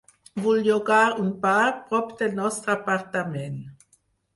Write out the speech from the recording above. Vull llogar un bar prop del nostre apartament.